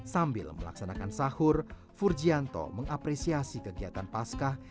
sambil melaksanakan sahur furjianto mengapresiasi kegiatan pascah